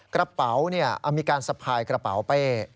กระเป๋ามีการสะพายกระเป๋าเป้